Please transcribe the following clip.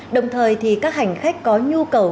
đồng thời thì các hành khách có nhu cầu